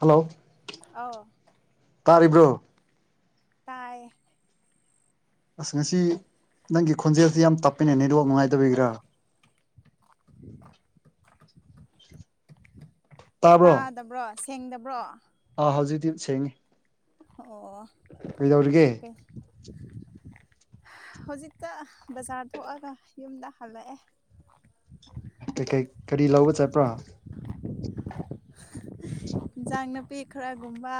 hello ꯑꯥꯎ ꯇꯥꯔꯤꯕ꯭ꯔꯣ ꯇꯥꯏ ꯑꯁ ꯉꯁꯤ ꯅꯪꯒꯤ ꯈꯣꯟꯖꯦꯜꯁꯤ ꯌꯥꯝ ꯇꯞꯄꯅꯦ ꯅꯦꯠꯋꯥꯛ ꯅꯨꯡꯉꯥꯏꯗꯕꯕꯤꯒꯔꯥ ꯇꯥꯕ꯭ꯔꯣ ꯇꯥꯗꯕ꯭ꯔꯣ ꯁꯦꯡꯗꯕ꯭ꯔꯣ ꯑꯥ ꯍꯧꯖꯤꯛꯇꯗꯤ ꯁꯦꯡꯉ ꯑꯣ ꯀꯩꯗꯧꯔꯤꯒꯦ ꯍꯧꯖꯤꯛꯇ ꯕꯖꯥꯔ ꯊꯣꯛꯑꯒ ꯌꯨꯝꯗ ꯍꯜꯂꯛꯑꯦ ꯀꯩꯀꯩ ꯀꯔꯤ ꯂꯧꯕ ꯆꯠꯄ꯭ꯔꯣ ꯏꯟꯖꯥꯡ ꯅꯥꯄꯤ ꯈꯔꯒꯨꯝꯕ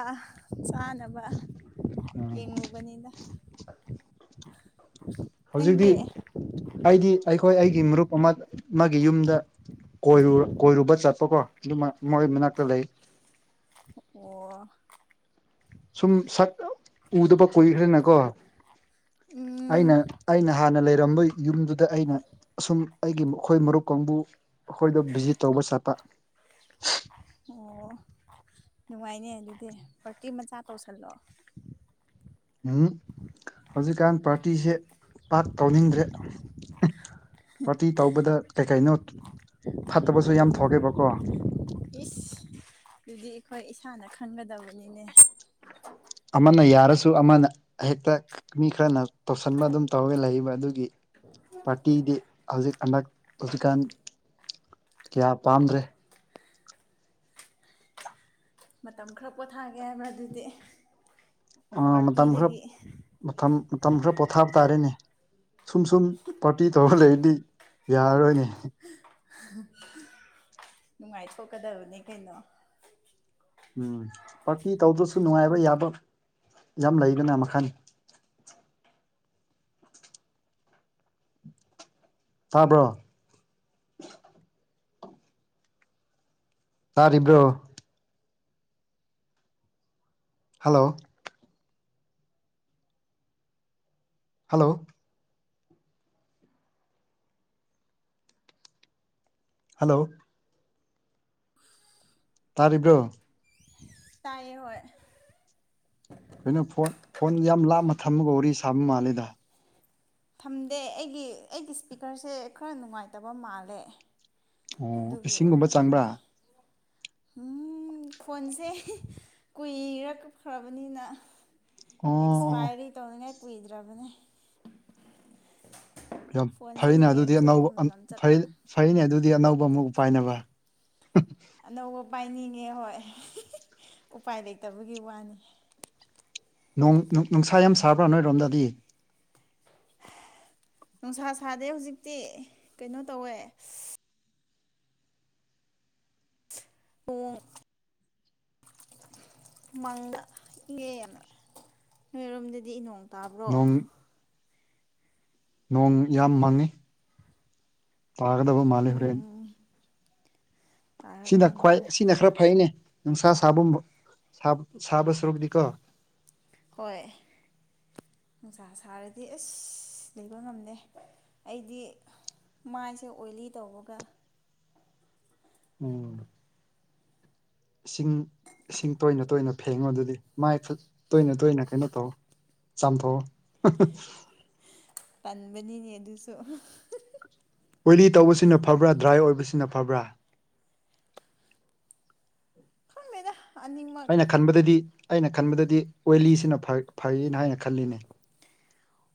ꯆꯥꯅꯕ ꯎꯝ ꯌꯦꯡꯉꯨꯕꯅꯤꯗ ꯎ [unintelligible] ꯍꯧꯖꯤꯛꯇꯤ ꯑꯩꯒꯤ ꯑꯩꯈꯣꯏ ꯑꯩꯒꯤ ꯃꯔꯨꯞ ꯑꯃ ꯑꯃꯒꯤ ꯌꯨꯝꯗ ꯀꯣꯏꯔ ꯀꯣꯏꯔꯨꯕ ꯆꯠꯄꯀꯣ ꯑꯗꯨꯃ ꯃꯣꯏ ꯃꯅꯥꯛꯇ ꯂꯩ ꯑꯣ ꯁꯨꯝ ꯁꯛ ꯎꯗꯕ ꯀꯨꯏꯈ꯭ꯔꯦꯅꯦꯀꯣ ꯑꯩꯅ ꯎꯝ ꯑꯩꯅ ꯍꯥꯟꯅ ꯂꯩꯔꯝꯕ ꯌꯨꯝꯗꯨꯗ ꯑꯩꯅ ꯑꯁꯨꯝ ꯑꯩꯒꯤ ꯃꯈꯣꯏ ꯃꯔꯨꯞ ꯀꯥꯡꯕꯨ ꯑꯩꯈꯣꯏꯗꯣ ꯚꯤꯖꯤꯠ ꯇꯧꯕ ꯆꯠꯄ ꯑꯣ ꯅꯨꯡꯉꯥꯏꯅꯦ ꯑꯗꯨꯗꯤ ꯄꯥꯔꯇꯤ ꯃꯆꯥ ꯇꯧꯁꯜꯂꫭ ꯎꯝ ꯍꯧꯖꯤꯛꯀꯥꯟ ꯄꯥꯔꯇꯤꯁꯦ ꯄꯥꯛ ꯇꯧꯅꯤꯡꯗ꯭ꯔꯦ ꯄꯥꯔꯇꯤ ꯇꯧꯕꯗ ꯀꯩ ꯀꯩꯅꯣ ꯐꯠꯇꯕꯁꯨ ꯌꯥꯝ ꯊꯣꯛꯑꯦꯕꯀꯣ ꯏꯁ ꯑꯗꯨꯗꯤ ꯑꯩꯈꯣꯏ ꯏꯁꯥꯅ ꯈꯟꯒꯗꯕꯅꯤꯅꯦ ꯑꯃꯅ ꯌꯥꯔꯁꯨ ꯑꯃꯅ ꯍꯦꯛꯇ ꯃꯤ ꯈꯔꯅ ꯇꯧꯁꯟꯕ ꯑꯗꯨꯝ ꯇꯧꯔꯒ ꯂꯩꯕ ꯑꯗꯨꯒꯤ ꯄꯥꯔꯇꯤꯗꯤ ꯍꯧꯖꯤꯛ ꯍꯟꯗꯛ ꯍꯧꯖꯤꯛꯀꯥꯟ ꯀꯌꯥ ꯄꯥꯝꯗ꯭ꯔꯦ ꯃꯇꯝ ꯈꯔ ꯄꯣꯊꯥꯒꯦ ꯍꯥꯏꯕꯔ ꯑꯗꯨꯗꯤ ꯑ ꯃꯇꯝ ꯈꯔ ꯄꯥꯔꯇꯤꯗꯒꯤ ꯃꯇꯝ ꯃꯇꯝ ꯈꯔ ꯄꯣꯊꯥꯕ ꯇꯥꯔꯦꯅꯦ ꯁꯨꯝ ꯁꯨꯝ ꯄꯥꯔꯇꯤ ꯇꯧꯔ ꯂꯩꯔꯗꯤ ꯌꯥꯔꯔꯣꯏꯅꯦ ꯑꯗꯨ [unintelligible] ꯅꯨꯡꯉꯥꯏꯊꯣꯛꯀꯗꯕꯅꯦ ꯀꯩꯅꯣ ꯎꯝ ꯄꯥꯔꯇꯤ ꯇꯧꯗ꯭ꯔꯁꯨ ꯅꯨꯡꯉꯥꯏꯕ ꯌꯥꯕ ꯌꯥꯝ ꯂꯩꯕꯅ ꯃꯈꯜ ꯇꯥꯕ꯭ꯔꯣ ꯇꯥꯔꯤꯕ꯭ꯔꯣ ꯍꯜꯂꯣ ꯍꯜꯂꯣ ꯍꯜꯂꯣ ꯇꯥꯔꯤꯕ꯭ꯔꯣ ꯇꯥꯏꯌꯦ ꯍꯣꯏ ꯀꯩꯅꫭ ꯐꯣꯟ ꯐꯣꯟ ꯌꯥꯝ ꯂꯥꯞꯃ ꯊꯝꯃꯒ ꯋꯥꯔꯤ ꯁꯥꯕ ꯃꯥꯜꯂꯦꯗ ꯊꯝꯗꯦ ꯑꯩꯒꯤ ꯑꯩꯒꯤ ꯏꯁꯄꯤꯀꯔꯁꯦ ꯈꯔ ꯅꯨꯡꯉꯥꯏꯇꯕ ꯃꯥꯜꯂꯦ ꯑꯣ ꯑꯗꯨꯒꯤ ꯏꯁꯤꯡꯒꯨꯝꯕ ꯑꯣꯏꯔꯝꯅꯤ ꯆꯪꯕ꯭ꯔꯥ ꯎꯝ ꯐꯣꯟꯁꯦ ꯀꯨꯏꯔꯒ ꯐꯕꯅꯤꯅ ꯑꯣ ꯑꯣ ꯑꯦꯛꯁꯄꯥꯏꯔꯤ ꯇꯧꯅꯤꯡꯉꯥꯏ ꯀꯨꯏꯗ꯭ꯔꯕꯅꯦ ꯌꯥꯝ ꯐꯣꯟꯁꯦ ꯐꯩꯅꯦ ꯑꯗꯨꯗꯤ ꯍꯦꯡꯁꯨ ꯑꯅꯧꯕ ꯑꯗꯨꯝ ꯌꯥꯝ ꯐꯩ ꯆꯠꯄ ꯐꯩꯅꯦ ꯑꯗꯨꯗꯤ ꯑꯅꯧꯕ ꯑꯃꯨꯛ ꯄꯥꯏꯅꯕ ꯑꯅꯧꯕ ꯄꯥꯏꯅꯤꯡꯉꯦ ꯍꯣꯏ ꯎꯄꯥꯏ ꯂꯩꯇꯕꯒꯤ ꯋꯥꯅꯤ ꯅꫭꯡ ꯅꯨꯡꯁꯥ ꯌꯥꯝ ꯁꯥꯕ꯭ꯔꯥ ꯅꯣꯏꯔꯣꯝꯗꯗꯤ ꯅꯨꯡꯁꯥ ꯁꯥꯗꯦ ꯍꯧꯖꯤꯛꯇꯤ ꯀꯩꯅꯣ ꯇꯧꯋꯦ ꯄꯨꯡ ꯃꯪꯉꯦ ꯅꯣꯏꯔꯣꯝꯗꯗꯤ ꯅꯣꯡ ꯇꯥꯔꯕꯣ ꯅꯣꯡ ꯅꯣꯡ ꯌꯥꯝ ꯃꯪꯉꯤ ꯇꯥꯒꯗꯕ ꯃꯥꯜꯂꯦ ꯍꯣꯔꯦꯟ ꯎꯝ ꯁꯤꯅ ꯇꯥꯔꯛꯇꯧ ꯈ꯭ꯋꯥꯏ ꯃꯥꯜꯂꯦ ꯁꯤꯅ ꯈꯔ ꯐꯩꯅꯦ ꯅꯨꯡꯁꯥ ꯁꯥꯕ ꯁꯥꯕ ꯁꯔꯨꯛꯇꯤ ꯀꯣ ꯍꯣꯏ ꯅꯨꯡꯁꯥ ꯁꯥꯔꯗꯤ ꯑꯁ ꯂꯩꯕ ꯉꯝꯗꯦ ꯑꯩꯗꯤ ꯃꯥꯏꯁꯦ ꯑꯣꯏꯂꯤ ꯇꯧꯕꯒ ꯎꯝ ꯏꯁꯤꯡ ꯏꯁꯤꯡ ꯇꯣꯏꯅ ꯇꯣꯏꯅ ꯐꯦꯡꯉꯣ ꯑꯗꯨꯗꯤ ꯃꯥꯏ ꯇꯣꯏꯅ ꯇꯣꯏꯅ ꯀꯩꯅꯣ ꯇꯧ ꯆꯝꯊꯣꯡ ꯇꯟꯕꯅꯤꯅꯦ ꯑꯗꯨꯁꯨ ꯑꯣꯏꯂꯤ ꯇꯧꯕꯁꯤꯅ ꯐꯕ꯭ꯔꯥ ꯗꯔꯥꯏ ꯑꯣꯏꯕꯁꯤꯅ ꯐꯕ꯭ꯔꯥ ꯈꯪꯗꯦꯗ ꯑꯅꯤꯃꯛ ꯑꯩꯅ ꯈꯟꯕꯗꯗꯤ ꯑꯩꯅ ꯈꯟꯕꯗꯗꯤ ꯑꯣꯏꯂꯤꯁꯤꯅ ꯐꯩꯅ ꯍꯥꯏꯅ ꯈꯜꯂꯤꯅꯦ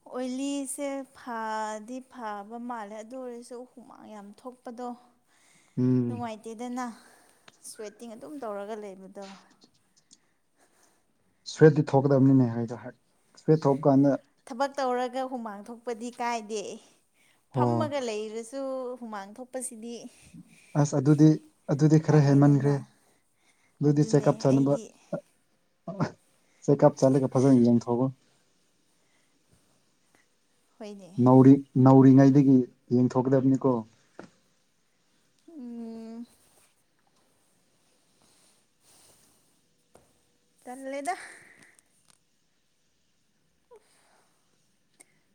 ꯑꯣꯏꯂꯤꯁꯦ ꯐꯗꯤ ꯐꯕ ꯃꯥꯜꯂꯦ ꯑꯗꯨ ꯑꯣꯏꯔꯁꯨ ꯍꯨꯃꯥꯡ ꯌꯥꯝ ꯊꯣꯛꯄꯗꯣ ꯎꯝ ꯅꯨꯡꯉꯥꯏꯇꯦꯗꯅ ꯁ꯭ꯋꯦꯠꯇꯤꯡ ꯑꯗꯨꯝ ꯇꯧꯔꯒ ꯂꯩꯕꯗ ꯁꯋꯦꯠꯇꯤ ꯊꯣꯛꯀꯗꯕꯅꯤꯅꯦ ꯍꯥꯏꯗꯣ ꯁꯋꯦꯠ ꯊꯣꯛꯄ ꯀꯥꯟꯗ ꯊꯕꯛ ꯇꯧꯔꯒ ꯍꯨꯃꯥꯡ ꯊꯣꯛꯄꯗꯤ ꯀꯥꯏꯗꯦ ꯑꯣ ꯐꯝꯃꯒ ꯂꯩꯔꯁꯤ ꯁꯨ ꯍꯨꯃꯥꯡ ꯊꯣꯛꯄꯁꯤꯗꯤ ꯑꯁ ꯑꯗꯨꯗꯤ ꯑꯗꯨꯗꯤ ꯈꯔ ꯍꯦꯃꯟꯈ꯭ꯔꯦ ꯇꯜꯂꯦꯗꯅ ꯑꯗꯨꯗꯤ ꯑꯗꯨꯅꯦ ꯆꯦꯛꯑꯞ ꯆꯠꯅꯤꯡꯅꯕ ꯑꯩꯗꯤ ꯆꯦꯛꯑꯞ ꯆꯠꯂꯒ ꯐꯖꯅ ꯌꯦꯡꯊꯣꯛꯎ ꯍꯣꯏꯅꯦ ꯎꯔꯤꯡ ꯅꯧꯔꯤꯉꯩꯗꯒꯤ ꯌꯦꯡꯊꯣꯛꯀꯗꯕꯅꯤꯀꯣ ꯎꯝ ꯎꯝ ꯇꯜꯂꯦꯗ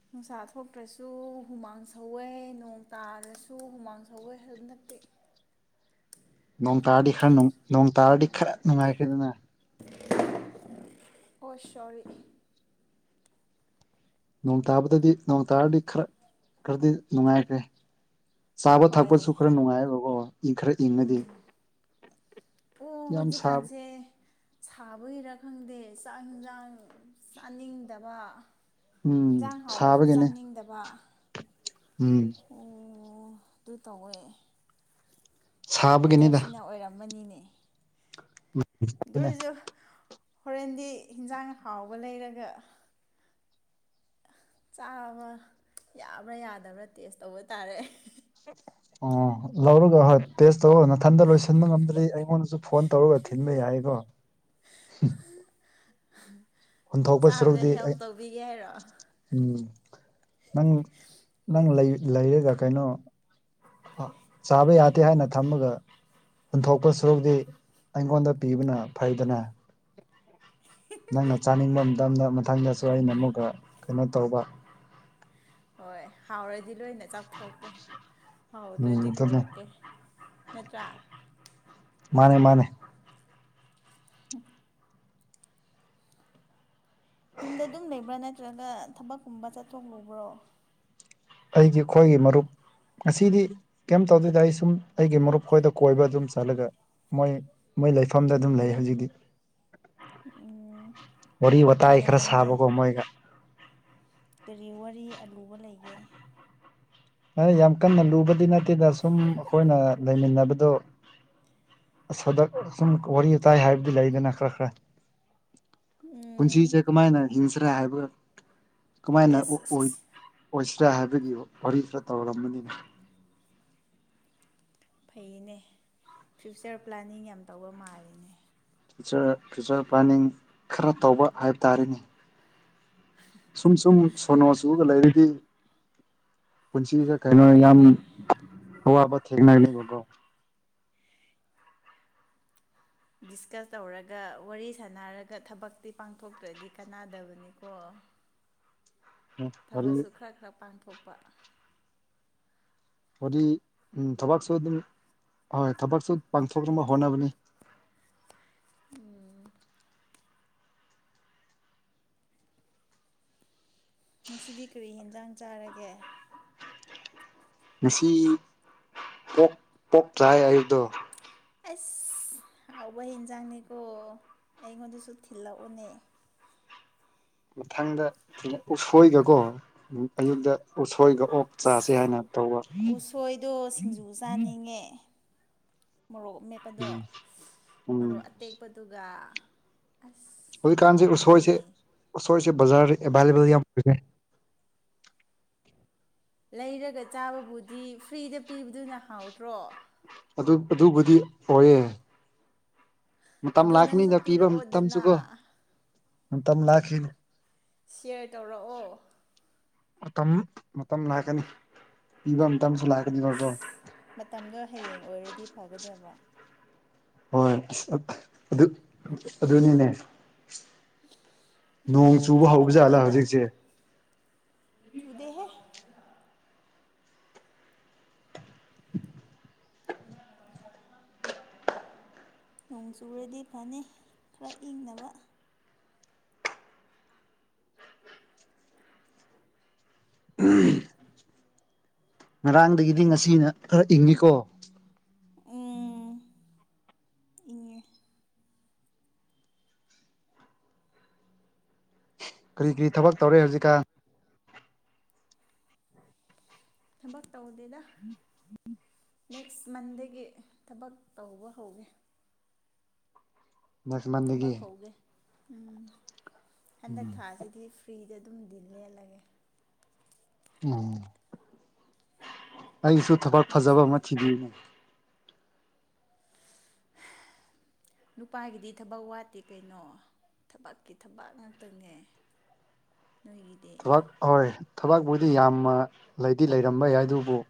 ꯅꯨꯡꯁꯥ ꯊꯣꯛꯇ꯭ꯔꯁꯨ ꯍꯨꯃꯥꯡ ꯁꯧꯋꯦ ꯅꯣꯡ ꯇꯥꯔꯁꯨ ꯍꯨꯃꯥꯡ ꯁꯧꯋꯦ ꯑꯗꯨ ꯅꯠꯇꯦ ꯅꯣꯡ ꯇꯥꯔꯗꯤ ꯈꯔ ꯅꯣꯡ ꯇꯥꯔꯗꯤ ꯈꯔ ꯅꯨꯡꯉꯥꯏꯈꯤꯗꯅ ꯑꯣ ꯁꯣꯔꯤ ꯅꯣꯡ ꯇꯥꯕꯗꯗꯤ ꯅꯣꯡ ꯇꯥꯔꯗꯤ ꯈꯔ ꯈꯔꯗꯤ ꯅꯨꯡꯉꯥꯏꯈ꯭ꯔꯦ ꯆꯥꯕ ꯍꯣꯏ ꯊꯛꯄꯁꯨ ꯈꯔ ꯅꯨꯡꯉꯥꯏꯕꯀꯣ ꯏ ꯈꯔ ꯎꯝ ꯏꯪꯉꯗꯤ ꯑꯣ ꯌꯥꯝ ꯁꯥꯕ ꯍꯧꯖꯤꯛꯀꯥꯟꯁꯦ ꯁꯥꯕꯒꯤꯔꯥ ꯈꯪꯗꯦ ꯆꯥꯛ ꯌꯦꯟꯁꯥꯡ ꯆꯥꯅꯤꯡꯗꯕ ꯎꯝ ꯌꯦꯟꯖꯥꯡ ꯍꯥꯎꯔꯁꯨ ꯁꯥꯕꯒꯤꯅꯦ ꯆꯥꯅꯤꯡꯗꯕ ꯎꯝ ꯑꯣ ꯑꯗꯨ ꯇꯧꯋꯦ ꯁꯥꯕꯒꯤꯅꯤꯗ ꯋꯦꯗꯔꯁꯤꯅ ꯑꯣꯏꯔꯝꯃꯅꯤꯅꯦ [inaudible] ꯑꯗꯨꯔꯁꯨ ꯍꯣꯔꯦꯟꯗꯤ ꯍꯟꯖꯥꯡ ꯍꯥꯎꯕ ꯂꯩꯔꯒ ꯆꯥꯕ ꯌꯥꯕ꯭ꯔꯥ ꯌꯥꯗꯕ꯭ꯔꯥ ꯇꯦꯁ ꯇꯧꯕ ꯇꯥꯔꯦ [inaudible] ꯑꯣ ꯂꯧꯔꯒ ꯍꯣꯏ ꯇꯦꯁ ꯇꯧꯔ ꯅꯥꯊꯟꯗ ꯂꯣꯏꯁꯤꯟꯕ ꯉꯝꯗ꯭ꯔꯤ ꯑꯩꯉꯣꯟꯗꯁꯨ ꯐꯣꯟ ꯇꯧꯔꯒ ꯊꯤꯟꯕ ꯌꯥꯏꯀꯣ ꯍꯨꯟꯗꯣꯛꯄ ꯆꯥꯕꯗ ꯁꯔꯨꯛꯇꯤ ꯍꯦꯜꯞ ꯑꯩ ꯇꯧꯕꯤꯒꯦ ꯍꯥꯏꯔꯣ ꯎꯝ ꯅꯪ ꯅꯪ ꯂꯩꯔꯒ ꯀꯩꯅꯣ ꯆꯥꯕ ꯌꯥꯗꯦ ꯍꯥꯏꯅ ꯊꯝꯃꯒ ꯄꯨꯨꯟꯊꯣꯛꯄ ꯁꯨꯔꯨꯗꯤ ꯑꯩꯉꯣꯟꯗ ꯄꯤꯕꯅ ꯐꯩꯗꯅ ꯅꯪꯅ ꯆꯥꯅꯤꯡꯕ ꯃꯇꯝꯗ ꯃꯊꯪꯗꯁꯨ ꯑꯩꯅ ꯑꯃꯨꯛꯀ ꯀꯩꯅꯣ ꯇꯧꯕ ꯍꯣꯏ ꯍꯥꯎꯔꯗꯤ ꯂꯣꯏꯅ ꯆꯥꯛꯊꯣꯛꯀꯦ ꯎꯝ ꯍꯥꯎꯗꯔꯗꯤ ꯑꯗꯨꯅꯦ ꯀꯧꯔꯛꯀꯦ ꯅꯠꯇ꯭ꯔꯥ ꯃꯥꯅꯦ ꯃꯥꯅꯦ ꯌꯨꯝꯗ ꯑꯗꯨꯝ ꯂꯩꯕ꯭ꯔꯥ ꯅꯠꯇ꯭ꯔꯒ ꯊꯕꯛꯀꯨꯝꯕ ꯆꯠꯊꯣꯛꯂꯨꯕ꯭ꯔꯣ ꯑꯩꯒꯤ ꯏꯈꯣꯏꯒꯤ ꯃꯔꯨꯞ ꯉꯁꯤꯗꯤ ꯀꯩꯝ ꯇꯧꯗꯣꯏꯗ ꯑꯩ ꯁꯨꯝ ꯑꯩꯒꯤ ꯃꯔꯨꯞ ꯈꯣꯏꯗ ꯀꯣꯏꯕ ꯑꯗꯨꯝ ꯆꯠꯂꯒ ꯃꯣꯏ ꯃꯣꯏ ꯂꯩꯐꯝꯗ ꯑꯗꯨꯝ ꯂꯩ ꯍꯧꯖꯤꯛꯇꯤ ꯎꯝ ꯋꯥꯔꯤ ꯋꯥꯇꯥꯏ ꯈꯔ ꯅꯨꯡꯉꯥꯏꯅꯦ ꯁꯥꯕꯒꯣ ꯃꯣꯏꯒ ꯀꯔꯤ ꯋꯥꯔꯤ ꯑꯂꯨꯕ ꯂꯩꯒꯦ ꯌꯥꯝ ꯀꯟꯅ ꯂꯨꯕꯗꯤ ꯅꯠꯇꯦꯗ ꯁꯨꯝ ꯑꯩꯈꯣꯏꯅ ꯂꯩꯃꯤꯟꯅꯕꯗꯣ ꯗꯛ ꯁꯨꯝ ꯋꯥꯔꯤ ꯋꯥꯇꯥꯏ ꯍꯥꯏꯕꯗꯤ ꯂꯩꯗꯅ ꯈꯔ ꯈꯔ ꯄꯨꯟꯁꯤ ꯎꯝ ꯆꯦ ꯀꯃꯥꯏꯅ ꯍꯁꯔ ꯍꯥꯏꯕ ꯀꯃꯥꯏꯅ ꯑꯦꯁ ꯑꯁ ꯑꯁ ꯑꯣꯏꯁꯤꯔꯥ ꯍꯥꯏꯕꯒꯤ ꯋꯥꯔꯤ ꯈꯔ ꯇꯧꯔꯔꯝꯕꯅꯤꯅ ꯐꯩꯌꯦꯅꯦ ꯐ꯭ꯌꯨꯆꯔ ꯄ꯭ꯂꯥꯅꯤꯡ ꯌꯥꯝ ꯇꯧꯕ ꯃꯥꯜꯂꯤꯅꯦ ꯐꯆ ꯐ꯭ꯌꯨꯆꯔ ꯄ꯭ꯂꯥꯅꯤꯡ ꯈꯔ ꯇꯧꯕ ꯍꯥꯏꯕ ꯇꯥꯔꯦꯅꯦ ꯎ ꯁꯨꯝ ꯁꯨꯝ ꯁꯣꯅꯣ ꯁꯨꯒ ꯂꯩꯔꯗꯤ ꯄꯨꯟꯁꯤꯗ ꯀꯩꯅꯣ ꯌꯥꯝ ꯍꯣꯏꯅꯦ ꯑꯣ ꯑꯕ ꯊꯦꯡꯛꯅꯅꯥꯒ ꯂꯩ ꯒꯣ ꯗꯤꯁꯀꯁ ꯇꯧꯔꯒ ꯋꯥꯔꯤ ꯁꯥꯟꯅꯔꯒ ꯊꯕꯛꯇꯤ ꯄꯥꯡꯊꯣꯛꯇ꯭ꯔꯗꯤ ꯀꯅꯥꯗꯕꯅꯤꯀꯣ ꯋꯥꯔꯤ ꯊꯕꯛꯁꯨ ꯈꯔ ꯈꯔ ꯄꯥꯡꯊꯣꯛꯄ ꯍꯥꯏꯗꯤ ꯎ ꯊꯕꯛꯁꯨ ꯑꯗꯨꯝ ꯍꯣꯏ ꯊꯕꯛꯁꯨ ꯄꯥꯡꯊꯣꯛꯅꯕ ꯍꯣꯠꯅꯕꯅꯤ ꯎꯝ ꯉꯁꯤꯗꯤ ꯀꯔꯤ ꯌꯦꯦꯟꯖꯥꯡ ꯆꯥꯔꯒꯦ ꯉꯁꯤ ꯀ ꯄꯣꯛꯇ ꯍꯥꯏ ꯑꯩꯗꯣ ꯑꯁ ꯍꯥꯎꯕ ꯍꯦꯟꯖꯥꯡꯅꯤꯀꯣ ꯑꯩꯉꯣꯟꯗꯁꯨ ꯊꯤꯜꯂꯛꯎꯅꯦ ꯃꯊꯪꯗꯩꯅ ꯎꯁꯣꯏꯒꯀꯣ ꯑꯌꯨꯛꯇ ꯎꯁꯣꯏꯒ ꯑꯣꯛ ꯆꯥꯁꯦ ꯍꯥꯏꯅ ꯇꯧꯕ ꯎꯁꯣꯏꯗꯣ ꯁꯤꯡꯖꯨ ꯆꯥꯅꯤꯡꯉꯦ ꯃꯣꯔꯣꯛ ꯃꯦꯠ ꯑꯗꯣ ꯎꯝ ꯃꯔꯨꯞ ꯑꯇꯦꯛꯄꯗ ꯑꯗꯨꯒ ꯑꯁ ꯍꯥꯎꯕꯅꯦꯍꯦ ꯑꯁꯣꯏꯁꯦ ꯕꯖꯥꯔ ꯑꯦꯕꯥꯏꯂꯦꯕꯜ ꯌꯥꯝ ꯑꯣꯏꯈ꯭ꯔꯦ ꯂꯩꯔꯒ ꯆꯥꯕꯕꯨꯗꯤ ꯐ꯭ꯔꯤꯗ ꯄꯤꯕꯗꯨꯅ ꯍꯥꯎꯗ꯭ꯔꯣ ꯑꯗꯨ ꯑꯗꯨꯕꯨꯗꯤ ꯑꯣꯏꯌꯦ ꯃꯇꯝ ꯑꯗꯣ ꯅꯪꯁꯨ ꯂꯥꯛꯈꯤꯅꯤꯗ ꯄꯤꯕ ꯃꯇꯝ ꯄꯤꯔꯛꯑꯣꯗꯅ ꯃꯇꯝꯁꯨꯀꯣ ꯃꯇꯝ ꯂꯥꯛꯈꯤꯅꯤ ꯁꯤꯌꯥꯔ ꯇꯧꯔꯛꯑꯣ ꯃꯇꯝ ꯃꯇꯝ ꯂꯥꯛꯀꯅꯤ ꯏꯕ ꯃꯇꯝꯁꯨ ꯂꯥꯛꯀꯅꯤꯕꯣ ꯃꯇꯝꯗꯣ ꯍꯌꯦꯡ ꯑꯣꯏꯔꯗꯤ ꯐꯒꯗꯕ ꯍꯣꯏ ꯑ ꯑꯗꯨ ꯑꯗꯨꯅꯤꯅꯦ ꯅꯣꯡ ꯍꯌꯦꯡ ꯆꯨꯕ ꯍꯧꯕ ꯖꯥꯠꯂꯥ ꯊꯤꯜꯂꯛꯑꯣꯗꯅ ꯍꯧꯖꯤꯛꯁꯦ ꯆꯨꯗꯦ ꯍꯦ ꯅꯣꯡ ꯆꯨꯔꯗꯤ ꯐꯅꯤ ꯈꯔ ꯏꯪꯅꯕ ꯎꯝ ꯉꯔꯥꯡꯗꯒꯤꯗꯤ ꯉꯁꯤꯅ ꯈꯔ ꯏꯪꯉꯀꯣ ꯎꯝ ꯏꯪꯉꯦ ꯀꯔꯤ ꯀꯔꯤ ꯊꯕꯛ ꯇꯧꯔꯦ ꯍꯧꯖꯤꯛꯀꯥ ꯊꯕꯛ ꯇꯧꯗꯦꯗ ꯎꯝ ꯅꯦꯛꯁ ꯃꯟꯗꯒꯤ ꯊꯕꯛ ꯇꯧꯕ ꯍꯧꯒꯦ ꯅꯦꯛꯁ ꯃꯟꯗꯒꯤ ꯊꯕꯛ ꯍꯧꯒꯦ ꯎꯝ ꯍꯟꯗꯛ ꯊꯥꯁꯤꯗꯤ ꯐ꯭ꯔꯤꯗ ꯑꯗꯨꯝꯗꯤ ꯂꯦꯜꯂꯒꯦ ꯎꯝ ꯑꯩꯁꯨ ꯊꯕꯛ ꯅꯦꯛꯁ ꯐꯖꯕ ꯑꯃ ꯊꯤꯕꯤꯅꯦ ꯅꯨꯄꯥꯒꯤꯗꯤ ꯊꯕꯛ ꯋꯥꯠꯇꯦ ꯀꯩꯅꯣ ꯊꯕꯛꯀꯤ ꯊꯕꯛ ꯉꯥꯛꯇꯪꯅꯦ ꯅꯣꯏꯒꯤꯗꯤ ꯊꯕꯛ ꯍꯣꯏ ꯊꯕꯛꯄꯕꯨꯗꯤ ꯌꯥꯝꯅ ꯂꯩꯗꯤ ꯂꯩꯔꯝꯕ ꯌꯥꯏ ꯑꯗꯨꯕꯨ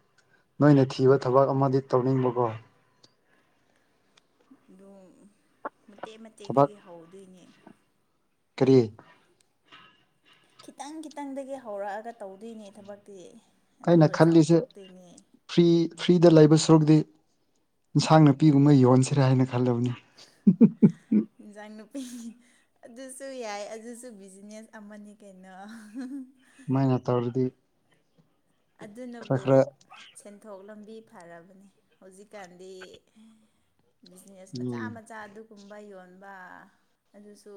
ꯅꯣꯏꯅ ꯊꯤꯕ ꯊꯕꯛ ꯑꯃꯗꯤ ꯇꯧꯅꯤꯡꯕꯀꯣ ꯑꯗꯨꯝ ꯃꯇꯦꯛ ꯊꯕꯛ ꯃꯇꯦꯛꯛꯇꯒꯤ ꯍꯧꯗꯣꯏꯅꯦ ꯀꯔꯤ ꯈꯤꯇꯪ ꯈꯤꯇꯪꯗꯒꯤ ꯍꯧꯔꯛꯑꯒ ꯇꯧꯗꯣꯏꯅꯦ ꯊꯕꯛꯇꯤ ꯑꯗꯨ ꯑꯩꯅ ꯈꯜꯂꯤꯁꯦ ꯆꯥꯎꯊꯣꯔꯛꯇꯣꯏꯅꯦ ꯐ꯭ꯔꯤ ꯐ꯭ꯔꯤꯗ ꯂꯩꯕ ꯁꯔꯨꯛꯇꯤ ꯏꯟꯁꯥꯡ ꯅꯥꯄꯤꯒꯨꯝꯕ ꯌꯣꯟꯁꯤꯔꯦ ꯍꯥꯏꯅ ꯈꯜꯂꯕꯅꯤ ꯖꯥꯡ ꯅꯨꯄꯤ ꯑꯗꯨꯁꯨ ꯌꯥꯏ ꯑꯗꯨꯁꯨ ꯕꯤꯖꯤꯅꯦꯁ ꯑꯃꯅꯤ ꯀꯩꯅꯣ ꯑꯩꯅ ꯇꯧꯔꯗꯤ ꯈꯔ ꯑꯗꯨꯅꯕꯨ ꯈꯔ ꯁꯦꯟꯊꯣꯛ ꯂꯝꯕꯤ ꯐꯔꯕꯅꯦ ꯍꯧꯖꯤꯛꯀꯥꯟꯗꯤ ꯕꯤꯖꯤꯅꯦꯁ ꯃꯆꯥ ꯎꯝ ꯃꯆꯥ ꯑꯗꯨ- ꯒꯨꯝꯕ ꯌꯣꯟꯕ ꯑꯗꯨꯁꯨ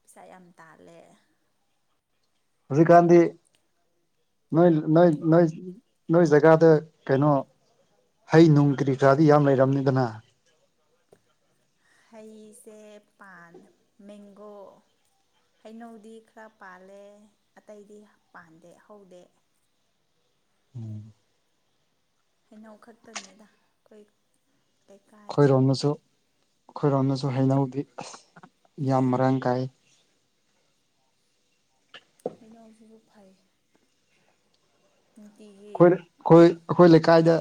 ꯄꯩꯁꯥ ꯌꯥꯝ ꯇꯥꯜꯂꯦ ꯍꯧꯖꯤꯛꯀꯥꯟꯗꯤ ꯅꯣꯏ ꯅꯣꯏ ꯅꯣꯏ ꯅꯣꯏ ꯖꯒꯥꯗ ꯀꯩꯅꯣ ꯍꯩ ꯅꯨꯡ ꯀꯔꯤ ꯀꯥꯔꯗꯤ ꯌꯥꯝ ꯂꯩꯔꯝꯅꯤꯗꯅ ꯍꯩꯁꯦ ꯄꯥꯟ ꯃꯦꯡꯒꯣ ꯍꯩꯅꯧꯗꯤ ꯈꯔ ꯄꯥꯜꯂꯦ ꯑꯇꯩꯗꯤ ꯄꯥꯟꯗꯦ ꯍꯧꯗꯦ ꯎꯝ ꯍꯩꯅꯧ ꯈꯛꯇꯅꯤꯗ ꯑꯩꯈꯣꯏ ꯂꯩꯀꯥꯏ ꯈꯨꯟꯗꯤ ꯈꯣꯏꯔꯣꯝꯗꯁꯨ ꯑꯩꯈꯣꯏꯔꯣꯝꯗꯁꯨ ꯍꯩꯅꯧꯗꯤ ꯌꯥꯝ ꯃꯔꯥꯡ ꯀꯥꯏ [unintelligible] ꯍꯩꯅꯧꯁꯤꯁꯨ ꯐꯩ ꯅꯨꯡꯇꯤꯒꯤ ꯑꯩꯈꯣꯏ ꯑꯩꯈꯣꯏ ꯑꯩꯈꯣꯏ ꯂꯩꯀꯥꯏꯗ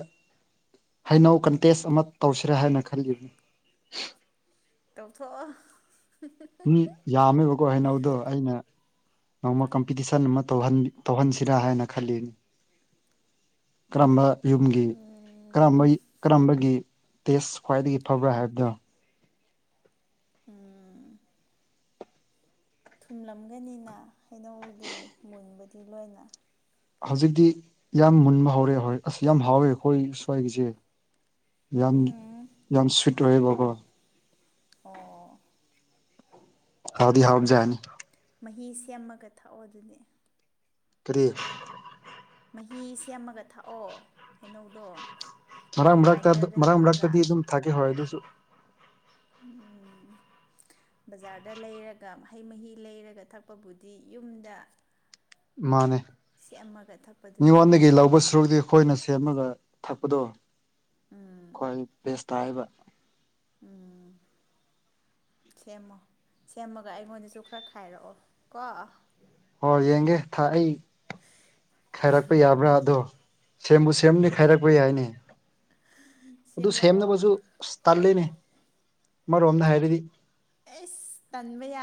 ꯍꯩꯅꯧ ꯀꯟꯇꯦꯁ ꯑꯃ ꯇꯧꯁꯤꯔꯦ ꯍꯥꯏꯅ ꯈꯜꯂꯤ ꯇꯧꯊꯣꯛꯑꯣ ꯃꯤ ꯌꯥꯝꯃꯦꯕꯀꯣ ꯍꯥꯏꯩꯅꯧꯗꯣ ꯑꯩꯅ ꯅꯣꯡꯃ ꯀꯝꯄꯤꯇꯤꯁꯟ ꯑꯃ ꯇꯧꯍꯟ ꯇꯧꯍꯟꯁꯤꯔꯥ ꯍꯥꯏꯅ ꯈꯜꯂꯤꯅꯤ ꯀꯔꯝꯕ ꯌꯨꯝꯒꯤ ꯎꯝ ꯀꯔꯝꯕꯒꯤ ꯀꯔꯝꯕꯒꯤ ꯇꯦꯁ ꯈ꯭ꯋꯥꯏꯗꯒꯤ ꯐꯕ꯭ꯔꯥ ꯍꯥꯏꯕꯗꯣ ꯎꯝ ꯊꯨꯝꯂꯝꯒꯅꯤꯅ ꯍꯩꯅꯧꯗꯤ ꯃꯨꯟꯕꯗꯤ ꯂꯣꯏꯅ ꯍꯧꯖꯤꯛꯇꯤ ꯌꯥꯝ ꯃꯨꯟꯕ ꯍꯧꯔꯦ ꯍꯦꯏ ꯑꯁ ꯌꯥꯝ ꯍꯥꯎꯋꯦ ꯑꯩꯈꯣꯏ ꯁ꯭ꯋꯥꯏꯒꯤꯁꯦ ꯌꯥꯝ ꯎꯝ ꯌꯥꯝ ꯁ꯭ꯋꯤꯠ ꯑꯣꯏꯌꯦꯕꯀꯣ ꯑꯣ ꯍꯥꯎꯗꯤ ꯍꯥꯎꯖꯥꯠꯅꯤ ꯃꯍꯤ ꯁꯦꯝꯃꯒ ꯊꯥꯛꯑꯣ ꯑꯗꯨꯗꯤ [unintelligible] ꯃꯍꯤ ꯁꯦꯝꯃꯒ ꯊꯥꯛꯑꯣ ꯍꯩꯅꯧꯗꯣ ꯃꯔꯥꯡ ꯃꯔꯛꯇ ꯒ꯭ꯔꯥꯏꯟꯗꯔꯗ ꯃꯔꯥꯡ ꯇꯛꯑꯒ ꯃꯔꯛꯇꯗꯤ ꯑꯗꯨꯝ ꯊꯛꯀꯦ ꯍꯣꯏ ꯑꯗꯨꯁꯨ ꯎꯝ ꯕꯖꯥꯔꯗ ꯂꯩꯔꯒ ꯍꯩ ꯃꯍꯤ ꯂꯩꯔꯒ ꯊꯛꯄꯕꯨꯗꯤ ꯌꯨꯝꯗ ꯃꯥꯅꯦ ꯁꯦꯝꯃꯒ ꯊꯛꯄꯗꯨꯅ ꯃꯤꯉꯣꯟꯗꯒꯤ ꯂꯧꯕ ꯁꯨꯔꯨꯗꯤ ꯑꯩꯈꯣꯏꯅ ꯁꯦꯝꯃꯒ ꯊꯛꯄꯗꯣ ꯎꯝ ꯈ꯭ꯋꯥꯏ ꯕꯦꯁ ꯇꯥꯏꯕ ꯎꯝ ꯁꯦꯝꯃꯣ ꯁꯦꯝꯃꯒ ꯑꯩꯉꯣꯟꯗꯁꯨ ꯈꯔ ꯈꯥꯏꯔꯛꯑꯣ ꯀꯣ ꯍꯣꯏ ꯌꯦꯡꯒꯦ ꯊꯥꯛ ꯑꯩ ꯈꯥꯏꯔꯛꯄ ꯌꯥꯕ꯭ꯔꯥ ꯑꯗꯣ ꯁꯦꯝꯕꯨ ꯁꯦꯝꯅꯤ ꯈꯥꯏꯔꯛꯄ ꯌꯥꯏꯅꯤ ꯑꯗꯨ ꯁꯦꯝꯔꯛꯑꯣ ꯁꯦꯝꯗꯕꯁꯨ ꯑꯁ ꯇꯜꯂꯤꯅꯦ ꯑꯃꯔꯣꯝꯗ ꯍꯥꯏꯔꯗꯤ ꯑꯦꯁ ꯇꯟꯕꯌꯥ